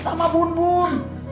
sama bun bun